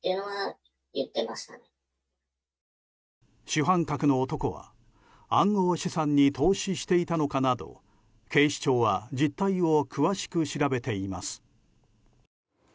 主犯格の男は暗号資産に投資していたのかなど警視庁は実態を詳しく調べています。